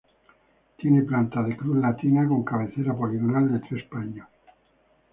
Tiene planta de cruz latina con cabecera poligonal de tres paños.